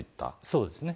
そうですね。